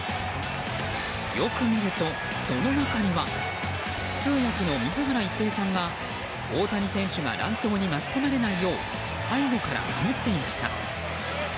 よく見ると、その中には通訳の水原一平さんが大谷選手が乱闘に巻き込まれないように背後から守っていました。